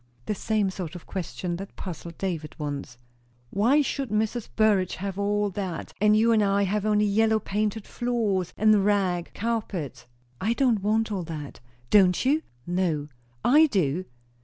"The same sort of question that puzzled David once." "Why should Mrs. Burrage have all that, and you and I have only yellow painted floors and rag carpets?" "I don't want 'all that.'" "Don't you?" "No." "I do."